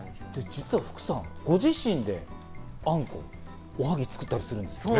実は福さん、ご自身であんこ、おはぎを作ったりするんですね？